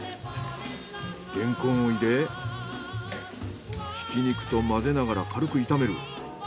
レンコンを入れひき肉と混ぜながら軽く炒める。